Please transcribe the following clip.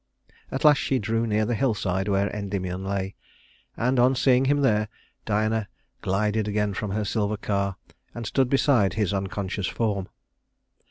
At last she drew near the hillside where Endymion lay, and, on seeing him there, Diana glided again from her silver car and stood beside his unconscious form.